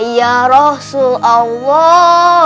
ya rasul allah